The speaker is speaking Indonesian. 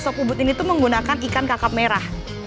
sop ubud ini itu menggunakan ikan kakap merah